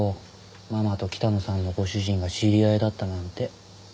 ママと北野さんのご主人が知り合いだったなんて。